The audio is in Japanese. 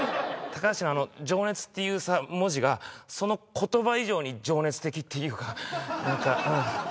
高橋のあの情熱っていうさ文字がその言葉以上に情熱的っていうか何かうん